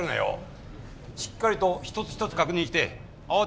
しっかりと一つ一つ確認して慌てず対応するんだ。